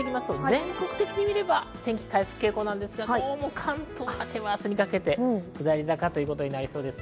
全国的に見れば天気、回復傾向なんですが、どうも関東だけは明日にかけて下り坂となりそうです。